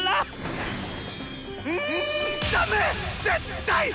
絶対！